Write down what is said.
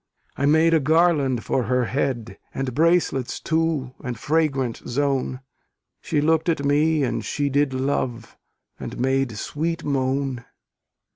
I made a garland for her head, And bracelets too, and fragrant zone; She look'd at me and she did love, And made sweet moan.